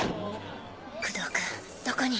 工藤君どこに。